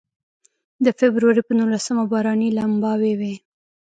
د فبروري په نولسمه باراني لمباوې وې.